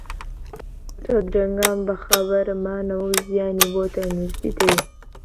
تا درەنگان بەخەبەر مانەوە زیانی بۆ تەندروستیت هەیە.